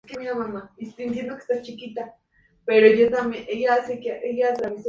Actualmente juega en el Sada Cruzeiro Voley de Brasil.